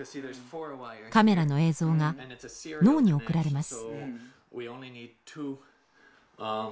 カメラの映像が脳に送られます。